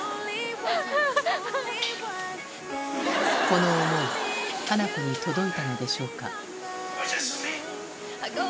この思いハナコに届いたのでしょうか？